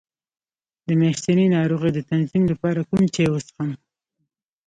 د میاشتنۍ ناروغۍ د تنظیم لپاره کوم چای وڅښم؟